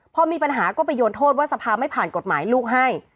พอมีปัญหาก็ไปโยนโทษว่าสภาไม่ผ่านกฎหมายลูกให้